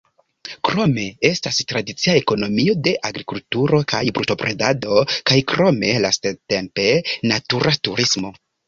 Krome estas tradicia ekonomio de agrikulturo kaj brutobredado kaj krome lastatempe natura turismo.